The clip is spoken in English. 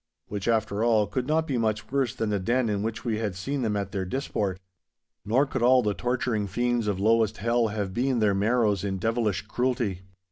Which, after all, could not be much worse than the den in which we had seen them at their disport. Nor could all the torturing fiends of lowest hell have been their marrows in devilish cruelty.